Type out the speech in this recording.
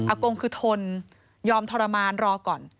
กงคือทนยอมทรมานรอก่อน